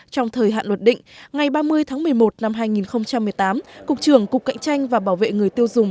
trong thời hạn luật định ngày ba mươi tháng một mươi một năm hai nghìn một mươi tám cục trưởng cục cạnh tranh và bảo vệ người tiêu dùng